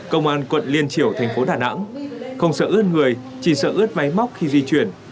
công an quận liên triểu thành phố đà nẵng không sợ ướt người chỉ sợ ướt máy móc khi di chuyển